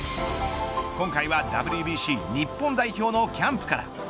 今回はＷＢＣ日本代表のキャンプから。